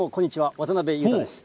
渡辺裕太です。